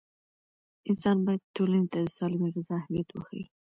انسان باید ټولنې ته د سالمې غذا اهمیت وښيي.